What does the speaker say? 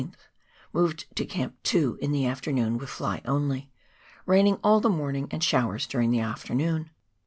— Moved up to Camp 2 in the after noon with fly only. Raining all the morning and showers during the afternoon.